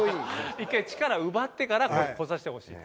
１回力奪ってから来させてほしい。